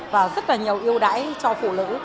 và rất là nhiều yêu đáy cho phụ nữ